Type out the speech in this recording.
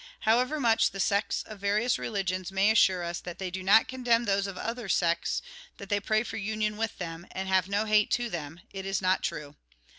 However much the sects of various religions may assure us that they do not condemn those of other sects, that they pray for union with them, and have no hate to them, it is not true.